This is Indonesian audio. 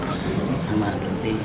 sama hal berarti